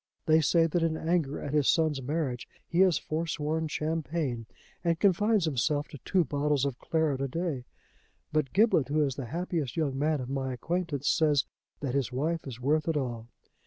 They say that in anger at his son's marriage he has forsworn champagne and confines himself to two bottles of claret a day. But Giblet, who is the happiest young man of my acquaintance, says that his wife is worth it all.